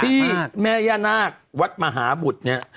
ที่แม่ย่านาควัดมหาบุตรเนี่ย